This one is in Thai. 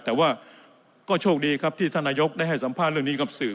แต่ว่าก็โชคดีครับที่ท่านนายกได้ให้สัมภาษณ์เรื่องนี้กับสื่อ